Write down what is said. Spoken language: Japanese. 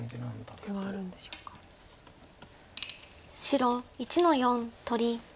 白１の四取り。